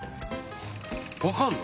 わかんの？